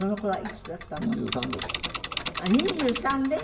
２３です。